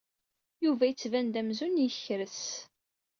Yuba yettban-d amzun yekres.